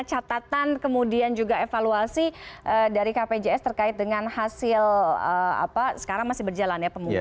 catatan kemudian juga evaluasi dari kpjs terkait dengan hasil apa sekarang masih berjalan ya